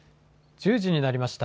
１０時になりました。